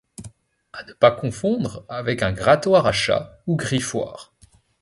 À ne pas confondre avec un grattoir à chat ou griffoir.